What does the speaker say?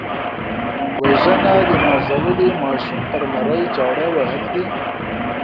وژنه د نازولي ماشوم پر مرۍ چاړه وهل دي